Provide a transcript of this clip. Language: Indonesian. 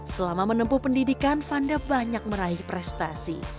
selama menempuh pendidikan fanda banyak meraih prestasi